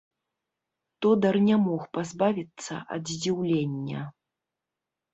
Тодар не мог пазбавіцца ад здзіўлення.